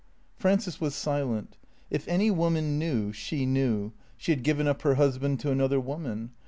Frances was silent. If any woman knew, she knew. She had given up her husband to another woman.